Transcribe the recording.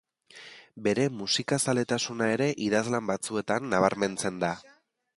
Bere musikazaletasuna ere idazlan batzuetan nabarmentzen da.